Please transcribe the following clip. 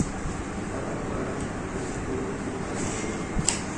En cada cual, es un código postal diferente.